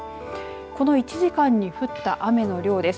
この１時間に降った雨の量です。